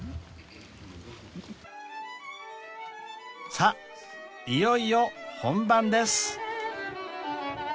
［さあいよいよ本番です］